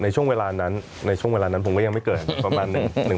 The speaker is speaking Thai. ช่วงเวลานั้นในช่วงเวลานั้นผมก็ยังไม่เกิดประมาณหนึ่ง